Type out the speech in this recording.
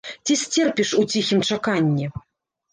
Ці сцерпіш у ціхім чаканні?